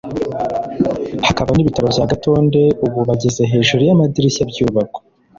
hakaba n’ibitaro bya Gatonde ubu bageze hejuru y’amadirishya byubakwa